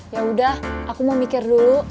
ya udah aku mau mikir dulu